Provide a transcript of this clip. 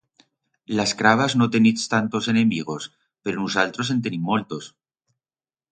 Las crabas no tenits tantos enemigos, pero nusaltros en tenim moltos.